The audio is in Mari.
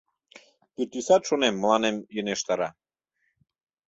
Пӱртӱсат, шонем, мыланем йӧнештара.